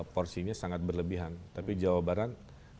porsinya sangat berlebihan tapi jawa barat